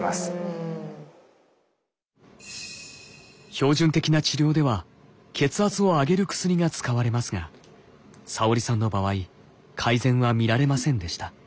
標準的な治療では血圧を上げる薬が使われますが沙織さんの場合改善は見られませんでした。